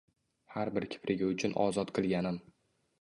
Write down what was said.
Har bir kiprigi uchun ozod qilganim